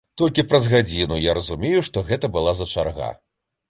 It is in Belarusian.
Толькі праз гадзіну я разумею, што гэта была за чарга.